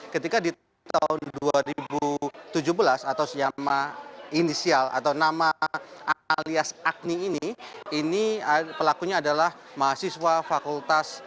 ketika di tahun dua ribu tujuh belas atau senyama inisial atau nama alias agni ini ini pelakunya adalah mahasiswa fakultas